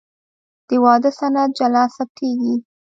د واده سند جلا ثبتېږي.